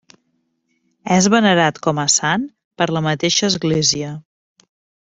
És venerat com a sant per la mateixa església.